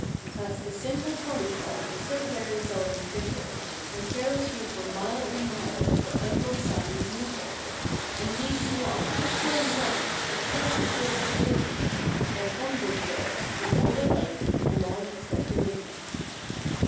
That's the simple trolley car, So very seldom fickle, And carries you for mile on mjle For Uncle Sammy's nickle; And leaves you off just where you want With Chesterfield precision Then onward jogs—to all alike— Along its set division.